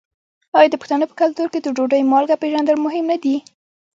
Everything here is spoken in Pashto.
آیا د پښتنو په کلتور کې د ډوډۍ مالګه پیژندل مهم نه دي؟